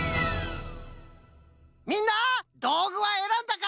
みんなどうぐはえらんだか？